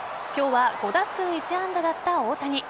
今日は５打数１安打だった大谷。